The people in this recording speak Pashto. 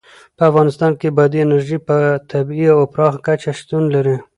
په افغانستان کې بادي انرژي په طبیعي او پراخه کچه شتون لري.